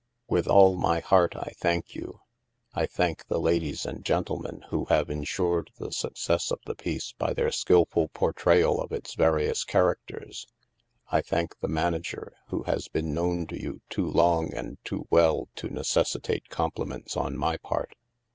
" With all my heart I thank you ! I thank the ladies and gentlemen who have insured the success of the piece by their skilful portrayal of its various characters. I thank the manager, who has been known to you too long and too well to necessitate compliments on my part.